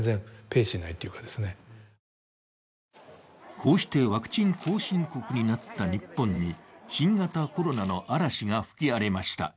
こうしてワクチン後進国になった日本に新型コロナの嵐が吹き荒れました。